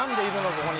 ここに。